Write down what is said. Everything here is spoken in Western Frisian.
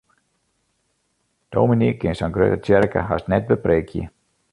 Dominy kin sa'n grutte tsjerke hast net bepreekje.